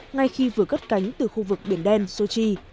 ngay khi vừa cất cánh từ khu vực biển đen sochi